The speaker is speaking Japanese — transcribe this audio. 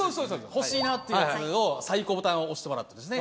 欲しいなというやつを「最高ボタン」を押してもらってですね。